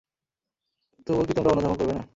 তবুও কি তোমরা অনুধাবন করবে না?